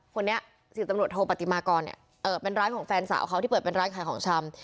คนนี้๑๐ตำรวจโทปฏิมากรเนี่ยเป็นร้านของแฟนสาวเขาที่เปิดเป็นร้านขายของชำ